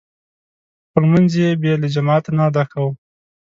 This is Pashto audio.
خو لمونځ يې بې له جماعته نه ادا کاوه.